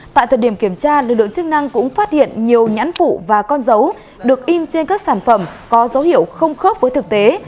tại thời điểm kiểm tra lực lượng chức năng cũng phát hiện nhiều nhãn phụ và con dấu được in trên các sản phẩm có dấu hiệu không khớp với thực tế